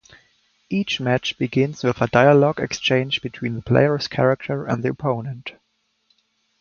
Each match begins with a dialogue exchange between the player's character and the opponent.